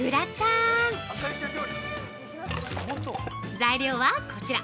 材料はこちら。